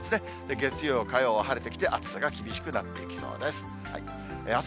月曜、火曜は晴れてきて暑さが厳しくなっていきそうです。